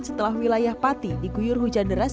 setelah wilayah pati diguyur hujan deras